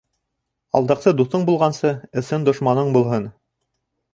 Алдаҡсы дуҫың булғансы, ысын дошманың булһын.